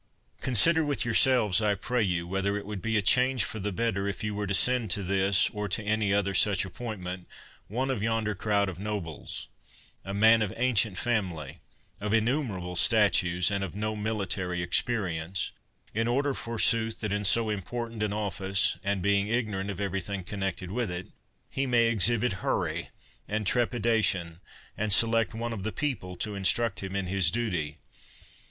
Consider with your selves, I pray you, whether it would be a change for the better, if you were to send to this, or to any other such appointment, one of yonder crowd of nobles — ^a man of ancient family, of in numerable statues, and of no military experi ence — in order forsooth, that in so important an oflSce, and being ignorant of everything con nected with it, he may exhibit hurry and trepi dation, and select one of the people to instruct him in his duty.